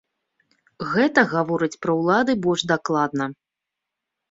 Гэта гаворыць пра ўлады больш дакладна.